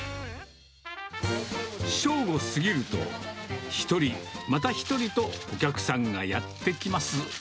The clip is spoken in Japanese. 正午過ぎると、１人、また１人と、お客さんがやって来ます。